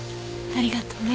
ありがとうね。